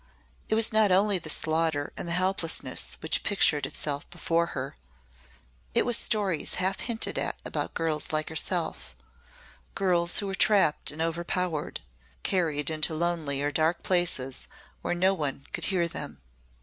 It was not only the slaughter and helplessness which pictured itself before her it was stories half hinted at about girls like herself girls who were trapped and overpowered carried into lonely or dark places where no one could hear them.